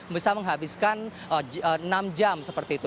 bisa menghabiskan enam jam seperti itu